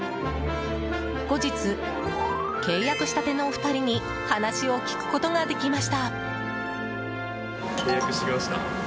後日、契約したてのお二人に話を聞くことができました。